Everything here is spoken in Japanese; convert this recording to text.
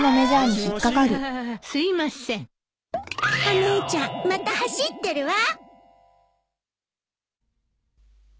お姉ちゃんまた走ってるわ。